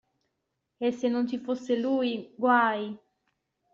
E se non ci fosse lui, guai!